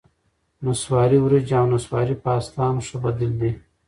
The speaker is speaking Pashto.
نسواري ورېجې او نسواري پاستا هم ښه بدیل دي.